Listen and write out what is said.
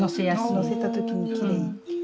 載せた時にきれい。